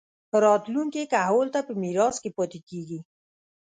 راتلونکي کهول ته پۀ ميراث کښې پاتې کيږي